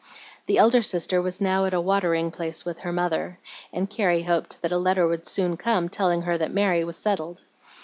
The elder sister was now at a watering place with her mother, and Carrie hoped that a letter would soon come telling her that Mary was settled.